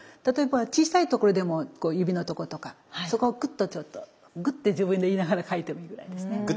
例えば小さいところでも指のとことかそこはグッとちょっとグッて自分で言いながら描いてもいいぐらいですね。